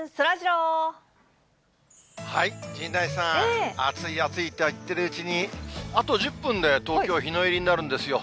今、暑い暑いと言ってるうちに、あと１０分で東京は日の入りになるんですよ。